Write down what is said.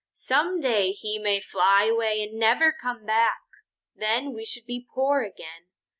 Some day he may fly away and never come back. Then we should be poor again.